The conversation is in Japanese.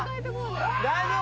大丈夫？